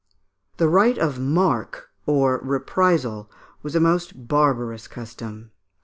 ] The right of marque, or reprisal, was a most barbarous custom.